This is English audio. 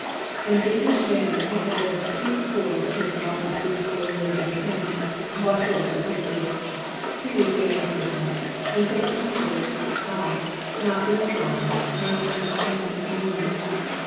An English Baron who had lived two score Of his allotted three score years and ten, Bought both the pieces. He was very kind, And so attentive, I, not being blind, Must understand his meaning.